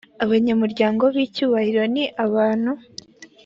abanyamuryango b icyubahro ni abantu